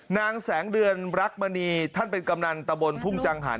นางแสงเดือนรักมณีท่านเป็นกำนันตะบนทุ่งจังหัน